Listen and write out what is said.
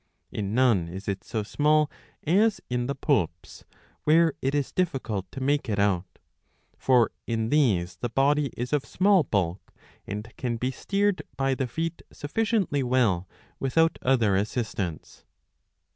In none is it so small as in the Poulps ; where it is difficult to make it out.^^ ' For in these the body is of small bulk and can be steered by the feet sufficiently well without other assistance.'